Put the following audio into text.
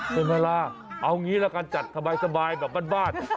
ใช่ไหมล่ะเอางี้ละกันจัดสบายแบบบ้าน